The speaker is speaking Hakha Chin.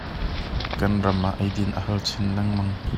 Kan ram ah eidin a har chin lengmang.